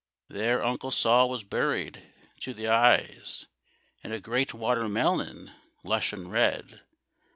There Uncle Sol was buried—to the eyes, In a great water melon, lush and red.